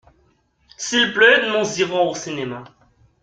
S’il pleut nous irons au cinéma.